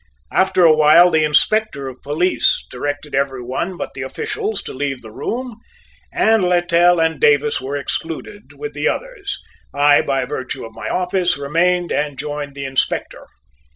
After a while the Inspector of Police directed every one but the officials to leave the room, and Littell and Davis were excluded with the others. I, by virtue of my office, remained and joined the Inspector.